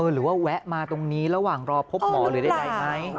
หรือว่าแวะมาตรงนี้ระหว่างรอพบหมอหรือได้ไหม